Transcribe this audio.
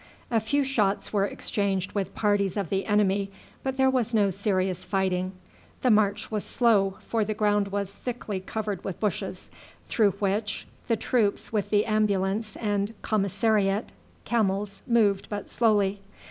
A few shots were exchanged with parties of the enemy, but there was no serious fighting. The march was slow, for the ground was thickly covered with bushes, through which the troops with the ambulance and commissariat camels moved but slowly.